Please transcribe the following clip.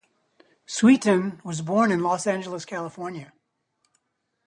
Sweetin was born in Los Angeles, California.